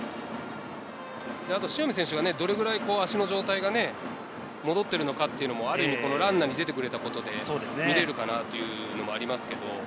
あと塩見選手がどれだけ足の状態が戻っているのかというのも、ある意味このランナーに出てくれたことで見れるかなというのもありますけど。